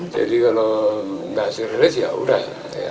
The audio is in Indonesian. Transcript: jadi kalau nggak surrealist ya udah